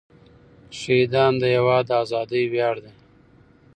شهیدان د هېواد د ازادۍ ویاړ دی.